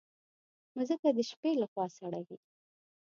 مځکه د شپې له خوا سړه وي.